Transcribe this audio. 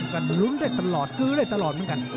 ก็ลุ้นได้ตลอดกื้อได้ตลอดเหมือนกัน